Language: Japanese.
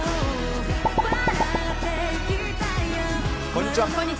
こんにちは。